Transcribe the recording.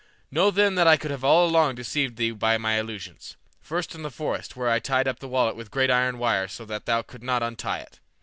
Know then that I have all along deceived thee by my illusions; first in the forest, where I tied up the wallet with iron wire so that thou couldst not untie it.